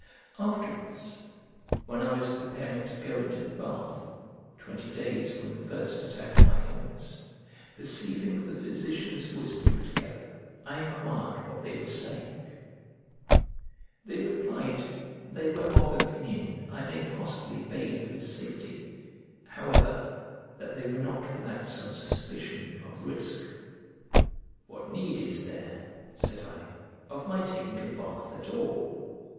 Afterwards, when I was preparing to go into the bath, twenty days from the first attack of my illness, perceiving the physicians whispering together, I enquired what they were saying. They replied they were of opinion I may possibly bathe with safety, however that they were not without some suspicion of risk. "What need is there," said I, "of my taking a bath at all?"